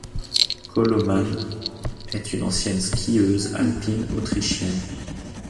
Kolomann, est une ancienne skieuse alpine autrichienne.